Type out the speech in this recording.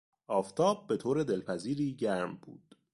آفتاب به طور دلپذیری گرم بود.